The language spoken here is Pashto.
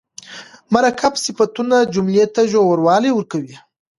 مرکب صفتونه جملې ته ژوروالی ورکوي.